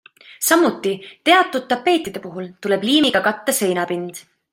Samuti teatud tapeetide puhul tuleb liimiga katta seinapind.